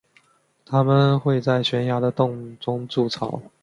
它们会在悬崖的洞中筑巢。